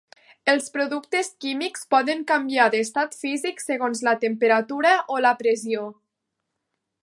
Els productes químics poden canviar d'estat físic segons la temperatura o la pressió.